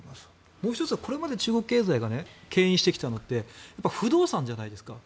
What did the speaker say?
もう１つはこれまで中国経済がけん引してきたのって不動産じゃないですか。